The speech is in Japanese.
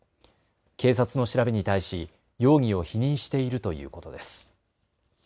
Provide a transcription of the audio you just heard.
警察の調べに対し容疑を否認しているということです。